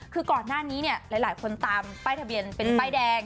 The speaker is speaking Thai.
คือก่อนหน้านี้เนี่ยหลายคนตามป้ายทะเบียนเป็นป้ายแดง